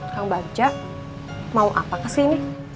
kang bagja mau apa kesini